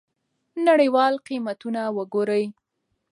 نړیوال قیمتونه وګورئ.